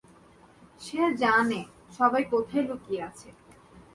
সে জানে, সবাই কোথায় লুকিয়ে আছে।